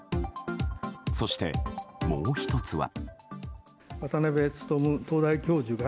そして、もう１つは。